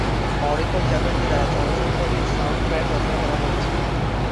অরিন্দম চ্যাটার্জি দ্বারা চলচ্চিত্রটির সাউন্ডট্র্যাক রচনা করা হয়েছে।